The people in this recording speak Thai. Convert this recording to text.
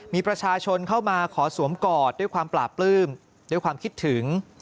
มีประชาชนเข้ามาขอสวมกอดด้วยความปลาปลื้มด้วยความคิดถึง